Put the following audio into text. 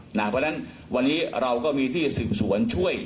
เพราะฉะนั้นวันนี้เราก็มีที่สืบสวนช่วย